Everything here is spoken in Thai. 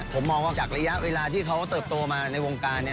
ผมมองว่าจากระยะเวลาที่เขาเติบโตมาในวงการ